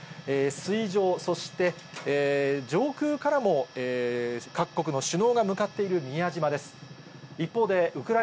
水上、そして上空からも、各国の首脳が向かっている宮島です。